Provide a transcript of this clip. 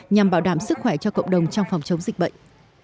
nhằm bảo đảm sức khỏe cho cộng đồng trong phòng chống dịch bệnh